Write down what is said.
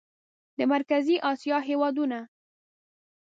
د مرکزي اسیا هېوادونه